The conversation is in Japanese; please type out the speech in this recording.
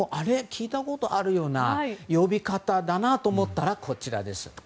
聞いたことあるというような呼び方だなと思ったらこちらです。